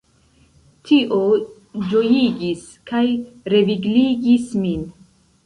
Tio ĝojigis kaj revigligis min!